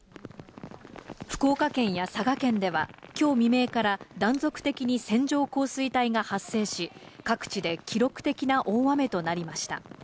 福岡県や佐賀県では、きょう未明から断続的に線状降水帯が発生し、各地で記録的な大雨となりました。